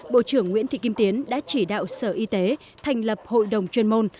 bộ trưởng nguyễn thị kim tiến đã chỉ đạo sở y tế thành lập hội đồng chuyên môn